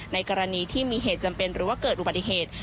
ในกรณีที่มีเหตุจำเป็นหรือว่าเกิดอุบัติเหตุ